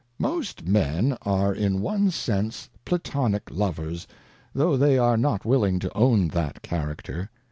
Most Men are in one sence Platonick Lovers, though they are not willing to own that Character.